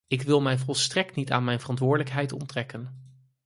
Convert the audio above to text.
Ik wil mij volstrekt niet aan mijn verantwoordelijkheid onttrekken.